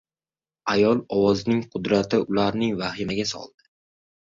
Ayol ovozining qudrati ularni vahimaga soladi.